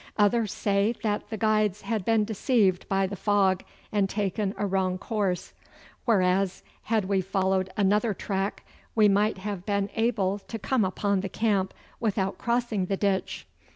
Others say that the guides had been deceived by the fog, and taken a wrong course, whereas, had we followed another track, we might have been able to come upon the camp without crossing the ditch.